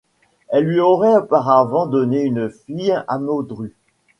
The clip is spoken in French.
Elle lui aurait auparavant donné une fille, Amaudru.